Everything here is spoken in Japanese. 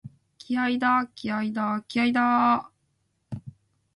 気合いだ、気合いだ、気合いだーっ！！！